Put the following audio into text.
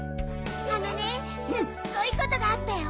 あのねすっごいことがあったよ。